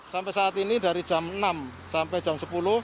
sampai saat ini dari jam enam sampai jam sepuluh